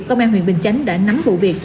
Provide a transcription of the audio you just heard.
công an huyện bình chánh đã nắm vụ việc